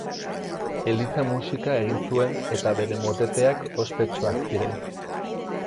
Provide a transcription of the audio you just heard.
Eliza-musika egin zuen eta bere moteteak ospetsuak ziren.